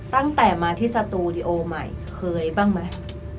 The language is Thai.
ตั้งแต่มาที่สตูดิโอใหม่เคยบ้างไหม